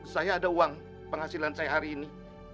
saya ada uang penghasilan saya hari ini